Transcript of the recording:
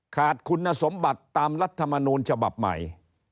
ขาดคุณสมบัติตามรัฐมนูลฉบับใหม่